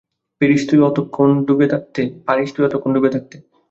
পারিস তুই অতক্ষণ ড়ুবে থাকতে?